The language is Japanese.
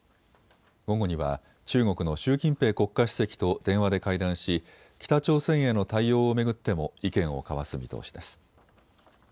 午後には中国の習近平国家主席と電話で会談し、北朝鮮への対応を巡っても意見を交わす見通しです。